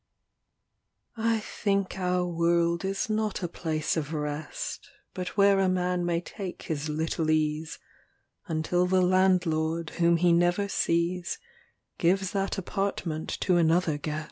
LXXIII I think our world is not a place of rest, But where a man may take his little ease, Until the landlord whom he never sees Gives that apartment to another guest.